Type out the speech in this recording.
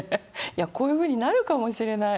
いやこういうふうになるかもしれない。